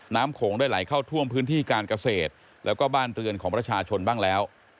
โขงได้ไหลเข้าท่วมพื้นที่การเกษตรแล้วก็บ้านเรือนของประชาชนบ้างแล้ว